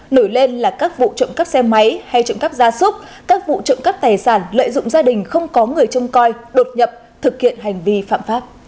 nổi lên là các vụ trộm cắp xe máy hay trộm cắp ra súc các vụ trộm cắp tài sản lợi dụng gia đình không có người trông coi đột nhập thực hiện hành vi phạm pháp